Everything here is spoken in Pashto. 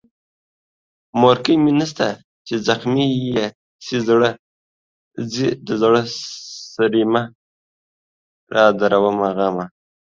مورکۍ مې نسته چې زخمي يې سي زړه، زې دزړه سريمه رادرومه غمه